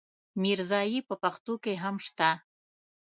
ميرزايي په پښتو کې هم شته.